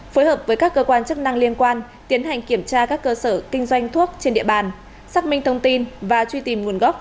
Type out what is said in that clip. phối hợp với các cơ quan chức năng liên quan tiến hành kiểm tra các cơ sở kinh doanh thuốc trên địa bàn xác minh thông tin và truy tìm nguồn gốc